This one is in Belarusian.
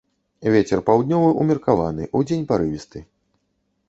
Вецер паўднёвы ўмеркаваны, удзень парывісты.